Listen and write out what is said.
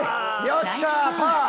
よっしゃー！